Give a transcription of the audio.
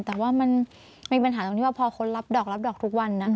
แต่ว่ามันมีปัญหาตรงที่ว่าพอคนรับดอกรับดอกทุกวันนะ